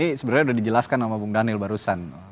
ini sebenarnya sudah dijelaskan sama bung daniel barusan